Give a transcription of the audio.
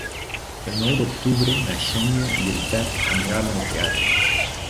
El nou d'octubre na Xènia i en Pep aniran al teatre.